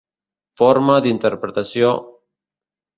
Forma d'interpretació: